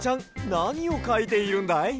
なにをかいているんだい？